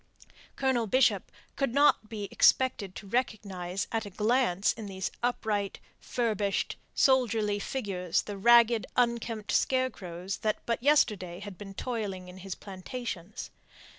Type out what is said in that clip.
Colonel Bishop could not be expected to recognize at a glance in these upright, furbished, soldierly figures the ragged, unkempt scarecrows that but yesterday had been toiling in his plantations.